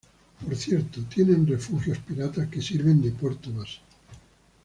Por cierto, tienen refugios pirata que sirven de puerto base.